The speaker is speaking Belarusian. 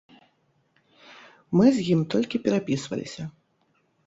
Мы з ім толькі перапісваліся.